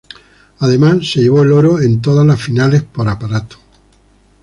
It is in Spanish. Además se llevó el oro en todas las finales por aparatos.